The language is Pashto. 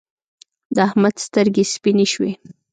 د احمد سترګې سپينې شوې.